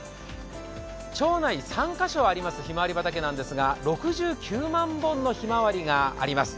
町内３カ所あります、ひまわり畑なんですが、６９万本のひまわりがあります。